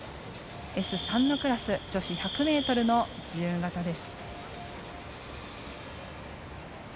Ｓ３のクラス女子１００ｍの自由形です。